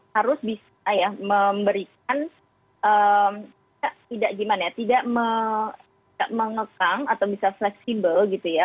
harus bisa memberikan tidak mengekang atau bisa fleksibel